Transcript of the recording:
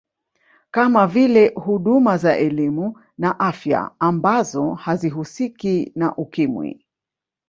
Kama vile huduma za elimu na afya ambazo hazihusiki na Ukimwi